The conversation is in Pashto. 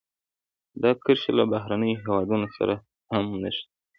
دا کرښې له بهرنیو هېوادونو سره هم نښلوي.